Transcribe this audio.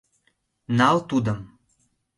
Нал тудым...